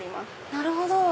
なるほど！